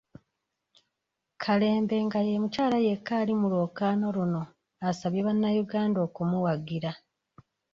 Kalembe nga ye mukyala yekka ali mu lwokaano luno, asabye bannayuganda okumuwagira.